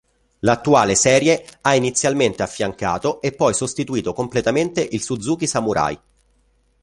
L'attuale serie ha inizialmente affiancato e poi sostituito completamente il Suzuki Samurai.